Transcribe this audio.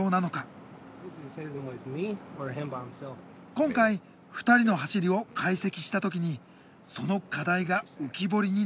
今回２人の走りを解析した時にその課題が浮き彫りになりました。